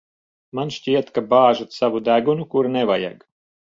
Man šķiet, ka bāžat savu degunu, kur nevajag.